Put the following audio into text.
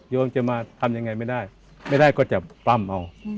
โยมจะมาทำยังไงไม่ได้ไม่ได้ก็จะปล้ำเอา